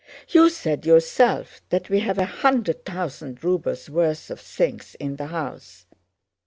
You said yourself that we have a hundred thousand rubles' worth of things in the house.